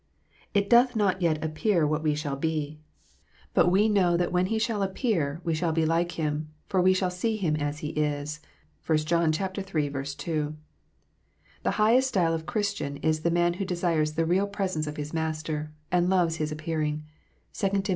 " It doth not yet appear what we shall be ; but THE REAL PRESENCE. 209 we know that when He shall appear we shall be like Him, for we shall see Him as He is." (1 John iii. 2.) The highest style of Christian is the man who desires the real presence of his Master, and " loves His appearing." (2 Tim.